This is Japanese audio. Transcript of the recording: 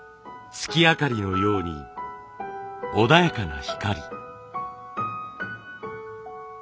月明かりのように穏やかな光。